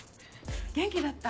元気だった？